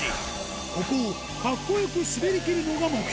ここを格好良く滑りきるのが目標